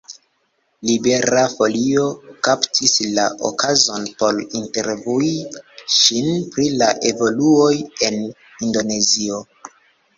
Libera Folio kaptis la okazon por intervjui ŝin pri la evoluoj en Indonezio.